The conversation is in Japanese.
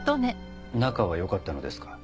仲は良かったのですか？